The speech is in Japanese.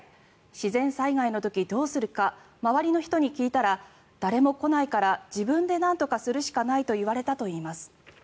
自然災害の時、どうするか周りの人に聞いたら誰も来ないから自分でなんとかするしかないと言われたといいます。